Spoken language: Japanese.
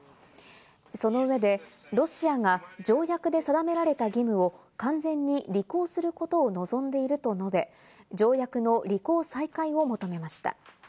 その上でロシアが条約で定められた義務を完全に履行することを望んでいると述べ、条約の履行再開を求めました。